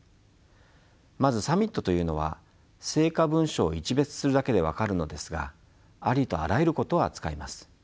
まずサミットというのは成果文書をいちべつするだけで分かるのですがありとあらゆることを扱います。